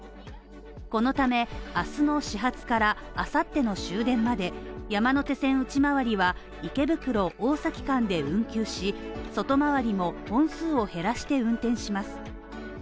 このため、あすの始発から明後日の終電まで、山手線内回りは池袋、大崎間で運休し、外回りも本数を減らして運転します。